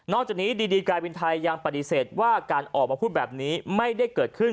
จากนี้ดีกายบินไทยยังปฏิเสธว่าการออกมาพูดแบบนี้ไม่ได้เกิดขึ้น